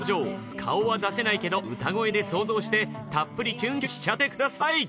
顔は出せないけど歌声で想像してたっぷりキュンキュンしちゃってください。